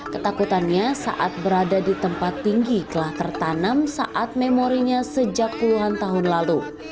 ketakutannya saat berada di tempat tinggi telah tertanam saat memorinya sejak puluhan tahun lalu